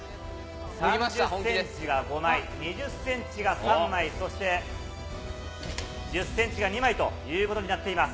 ３０センチが５枚、２０センチが３枚、そして１０センチが２枚ということになっています。